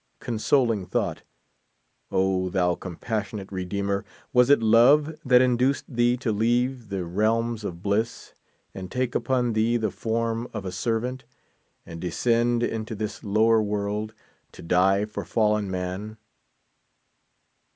Consoling thought ! O, thou compassionate Redeemer, was it love that in duced thee to leave the realms of bliss, and take upon thee the form of a servant, and descend into this lower world, to die for fallen man?